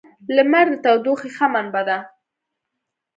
• لمر د تودوخې ښه منبع ده.